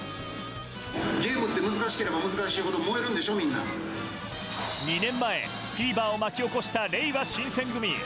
ゲームって難しければ難しい２年前、フィーバーを巻き起こしたれいわ新選組。